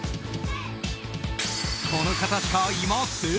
この方しかいません！